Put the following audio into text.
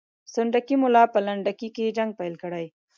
سنډکي ملا به په لنډکي کې جنګ پیل کړي.